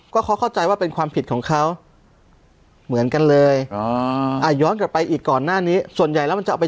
ก็เขาเข้าใจว่า